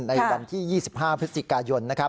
ในวันที่๒๕พฤศจิกายน